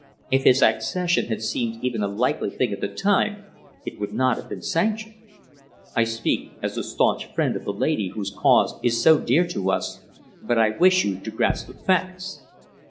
If his accession had seemed even a likely thing at the time, it would not have been sanctioned. I speak as the staunch friend of the lady whose cause is so dear to us, but I wish you to grasp the facts."